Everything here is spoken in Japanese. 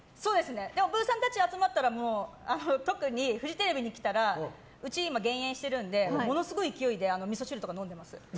ブーさんたち集まったら特にフジテレビに来たらうちは今、減塩してるのでものすごい勢いでみそ汁とか飲んでます。